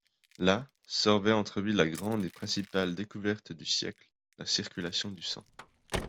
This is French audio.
Là, Servet entrevit la grande et principale découverte du siècle, la circulation du sang.